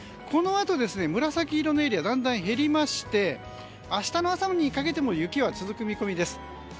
このあと、紫色のエリアはだんだん減りまして明日の朝にかけても雪は続く見込みです。